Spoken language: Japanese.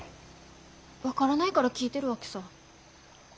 分からないから聞いてるわけさ。